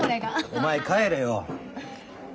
お前帰れよ。